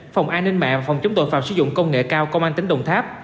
phòng an ninh mạng phòng chống tội phạm sử dụng công nghệ cao công an tỉnh đồng tháp